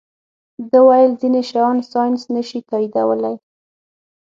ده ویل ځینې شیان ساینس نه شي تائیدولی.